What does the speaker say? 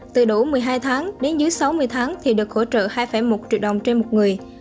từ đủ sáu mươi tháng đến dưới tám mươi bốn tháng thì được hỗ trợ hai bốn triệu đồng trên một người